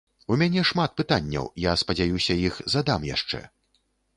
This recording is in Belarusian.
У мяне шмат пытанняў, я спадзяюся, іх задам яшчэ.